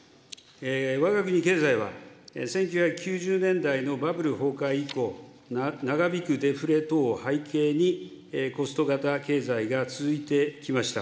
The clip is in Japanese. わが国経済は１９９０年代のバブル崩壊以降、長引くデフレ等を背景に、コスト型経済が続いてきました。